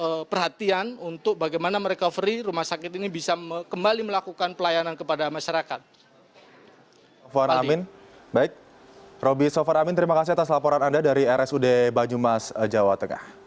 jadi ini adalah perhatian untuk bagaimana merecovery rumah sakit ini bisa kembali melakukan pelayanan kepada masyarakat